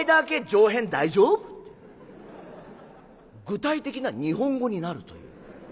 具体的な日本語になるという。